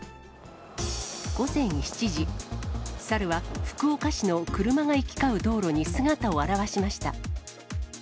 午前７時、猿は福岡市の車が行き交う道路に姿を現しました。